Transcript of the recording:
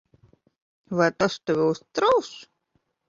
Vai tas tevi uztrauc?